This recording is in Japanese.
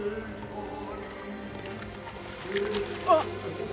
あっ！